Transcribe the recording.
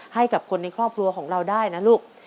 ให้กับคนในครอบครัวของเราได้นะลูก